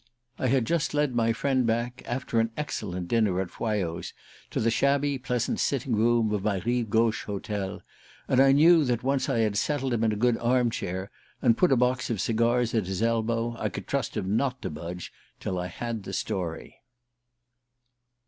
I had just led my friend back, after an excellent dinner at Foyot's, to the shabby pleasant sitting room of my rive gauche hotel; and I knew that, once I had settled him in a good arm chair, and put a box of cigars at his elbow, I could trust him not to budge till I had the story.